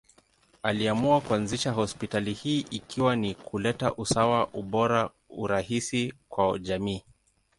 Aliamua kuanzisha hospitali hii ikiwa ni kuleta usawa, ubora, urahisi kwa jamii.